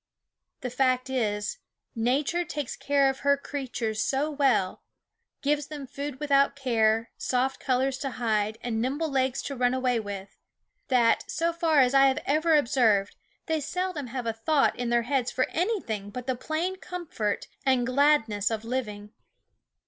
The fact is, Nature takes care of her crea Gfadsome tures SQ well gives them ooc j W i tn0 ut care, ^^^^p5l^F soft colors to hide, and nimble legs to run away with that, so far as I have ever ob served, they seldom have a thought in their heads for anything but the plain comfort and gladness of living.